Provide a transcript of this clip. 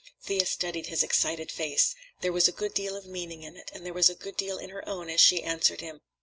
Thea studied his excited face. There was a good deal of meaning in it, and there was a good deal in her own as she answered him.